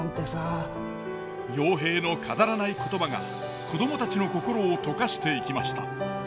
陽平の飾らない言葉が子どもたちの心を溶かしていきました。